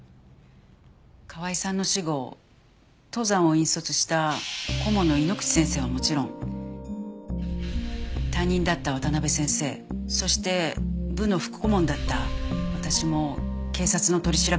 河合さんの死後登山を引率した顧問の井ノ口先生はもちろん担任だった渡辺先生そして部の副顧問だった私も警察の取り調べを受けました。